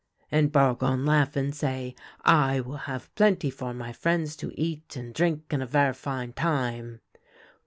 " And Bargon laugh and say :' I will have plenty for my friends to eat and drink and a ver' fine time.'